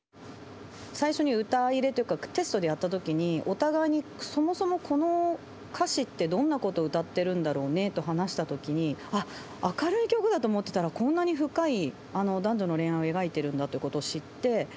最初に歌入れというかテストでやった時にお互いにそもそもこの歌詞ってどんなことを歌ってるんだろうねと話した時にあっ明るい曲だと思ってたらこんなに深い男女の恋愛を描いてるんだということを知って。